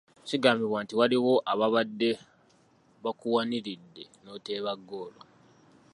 Kigambibwa nti waliwo ababadde bakuwaniridde n'oteeba ggoolo.